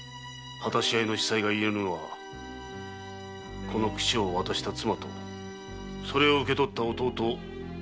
果たし合いの子細が言えぬのはこの櫛を渡した妻とそれを受け取った弟・藤十郎をかばうため。